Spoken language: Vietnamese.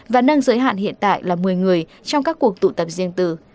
và nâng giới hạn hiện tại là một mươi người trong các cuộc tụ tập riêng từ